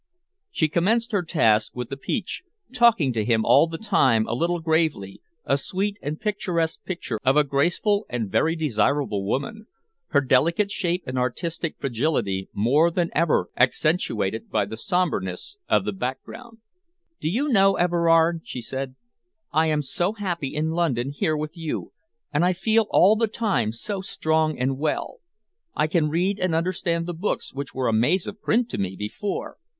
She commenced her task with the peach, talking to him all the time a little gravely, a sweet and picturesque picture of a graceful and very desirable woman, her delicate shape and artistic fragility more than ever accentuated by the sombreness of the background. "Do you know, Everard," she said, "I am so happy in London here with you, and I feel all the time so strong and well. I can read and understand the books which were a maze of print to me before.